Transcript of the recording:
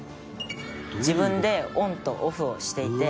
「自分でオンとオフをしていて」